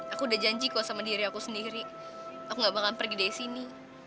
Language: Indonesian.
aku udah janji kok sama diri aku sendiri aku gak bakalan pergi dari sini